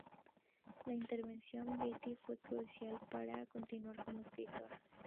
La intervención de Beattie fue crucial para continuar como escritor.